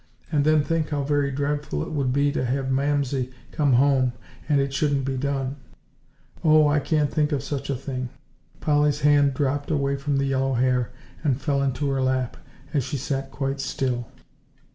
And then think how very dreadful it would be to have Mamsie come home and it shouldn't be done. Oh, I can't think of such a thing!" Polly's hand dropped away from the yellow hair, and fell to her lap, as she sat quite still.